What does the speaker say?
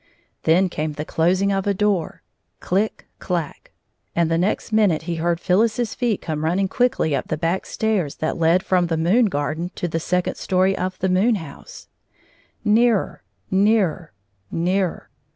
Then came the closing of a door — chck! — clack! — and the next minute he heard Phyllis's feet coming running quickly up the hack stairs that led from the moon garden to the second story of the moon house; nearer — nearer — nearer.